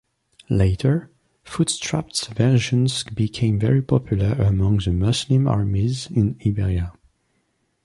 Later, footstrapped versions became very popular among the Muslim armies in Iberia.